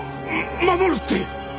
守るって？